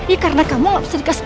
iya karena kamu gak bisa dikasih tau